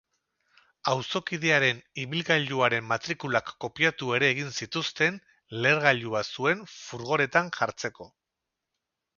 Auzokidearen ibilgailuaren matrikulak kopiatu ere egin zituzten, lehergailua zuen furgonetan jartzeko.